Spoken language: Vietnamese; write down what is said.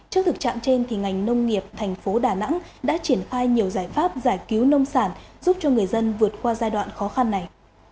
trước thực trạng trên ngành nông nghiệp thành phố đà nẵng đã triển khai nhiều giải pháp giải cứu nông sản giúp cho người dân vượt qua giai đoạn khó khăn này